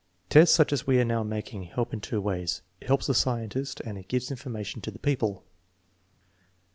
"Tests such as we are now making help in two ways; it helps the scientists and it gives information to the people."